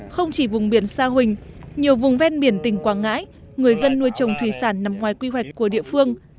không chỉ vùng biển sa huỳnh nhiều vùng ven biển tỉnh quảng ngãi người dân nuôi trồng thủy sản nằm ngoài quy hoạch của địa phương